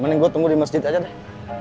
mending gue tunggu di masjid aja deh